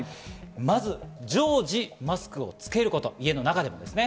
まず常時マスクをつけること、家の中でもですね。